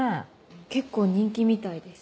結構人気みたいです。